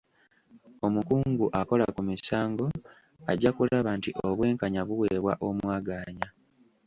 Omukungu akola ku misango ajja kulaba nti obwenkanya buweebwa omwagaanya.